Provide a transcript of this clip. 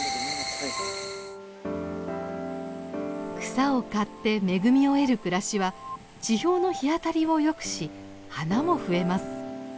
草を刈って恵みを得る暮らしは地表の日当たりをよくし花も増えます。